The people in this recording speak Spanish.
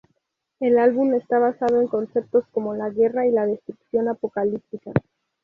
El álbum está basado en conceptos como la guerra y la destrucción apocalíptica.